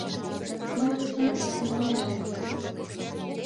Мый тудлан сырен омыл ыле.